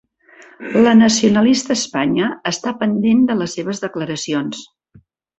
La nacionalista Espanya està pendent de les seves declaracions.